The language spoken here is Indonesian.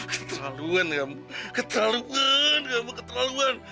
keterlaluan kamu keterlaluan kamu keterlaluan